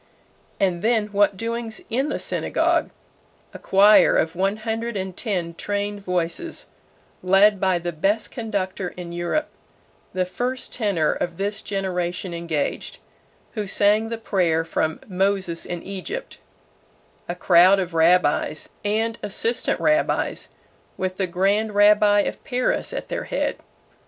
And then what doings in the synagogue! A choir of one hundred and ten trained voices, led by the best conductor in Europe the first tenor of this generation engaged, who sang the prayer from "Moses in Egypt" a crowd of rabbis, and assistant rabbis, with the grand rabbi of Paris at their head.